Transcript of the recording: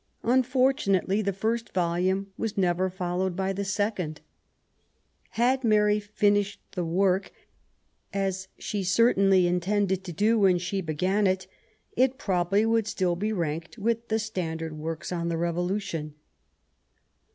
Unfortunately the first volume was never followed by a second. Had Mary finished the book^ as she certainly intended to do when she began it^ it probably would still be ranked with the standard works on the Bevolution.